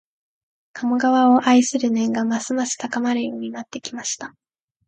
鴨川を愛する念がますます高まるようになってきました